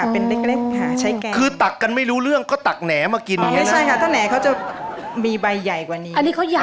ปริศาจคุณฮายก็อยากได้พืชผักศวนครัว